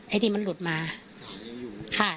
ไอดี้มันหลุดมา